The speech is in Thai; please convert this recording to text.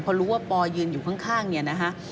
พอรู้ว่าปอยืนอยู่ข้างเนี่ยนะฮะ